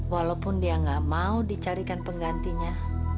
walaupun dia nggak mau dicarikan penggantinya